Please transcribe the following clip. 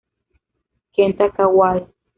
Kenta Kawai